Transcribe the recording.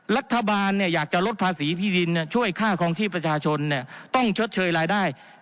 รัฐบาลเนี่ยอยากจะลดภาษีพิธีนช่วยค่าของชีพประชาชนเนี่ยต้องชดเชยรายได้